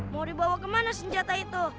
mau dibawa kemana senjata itu